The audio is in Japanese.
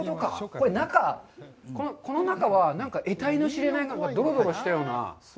これ、この中は、えたいの知れない、どろどろしたような。